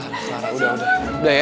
clara clara udah udah udah ya